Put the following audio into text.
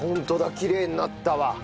きれいになったわ。